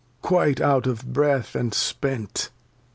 quite out of Breath, and spent.